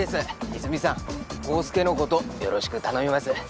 和泉さん康介の事よろしく頼みます。